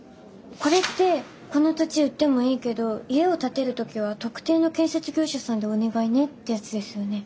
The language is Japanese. これって「この土地を売ってもいいけど家を建てる時は特定の建設業者さんでお願いね」ってやつですよね。